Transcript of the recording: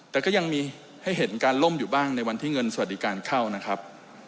แต่ก็ยังมีให้เห็นการล่มอยู่บ้างในวันที่เงินสวัสดิการเข้านะครับ